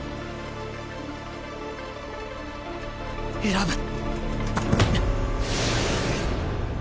選ぶ。